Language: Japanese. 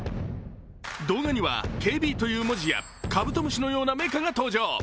動画には「ＫＢ」という文字やカブトムシのようなメカが登場。